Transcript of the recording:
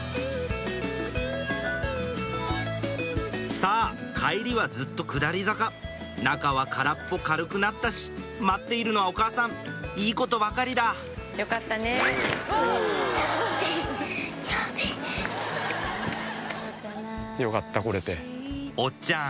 さぁ帰りはずっと下り坂中は空っぽ軽くなったし待っているのはお母さんいいことばかりだおっちゃん